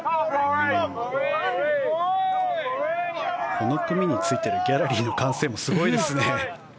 この組についているギャラリーの歓声もすごいですね。